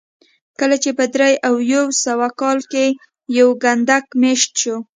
کله چې په درې او یو سوه کال کې یو کنډک مېشت شو